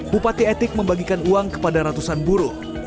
bupati etik membagikan uang kepada ratusan buruh